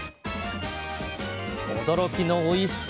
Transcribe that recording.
驚きのおいしさ！